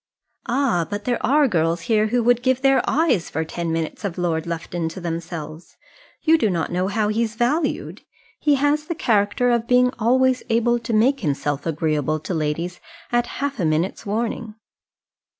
"Ah! but there are girls here who would give their eyes for ten minutes of Lord Lufton to themselves. You do not know how he's valued. He has the character of being always able to make himself agreeable to ladies at half a minute's warning."